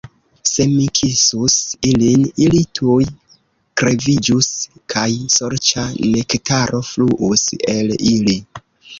Se mi kisus ilin, ili tuj kreviĝus kaj sorĉa nektaro fluus el ili.